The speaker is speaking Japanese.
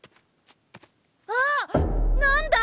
あっ何だ？